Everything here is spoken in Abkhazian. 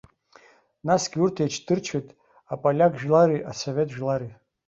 Насгьы урҭ еичдырчоит аполиак жәлари асовет жәлари.